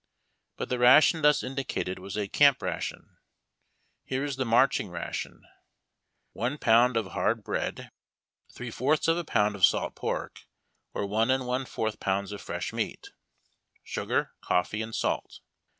But the ration thus indicated was a camp ration. Here is the marching ration: one pound of hard bread; three fourths of a pound of salt pork, or one and one fourth pounds of fresh meat ; sugar, coffee, and salt.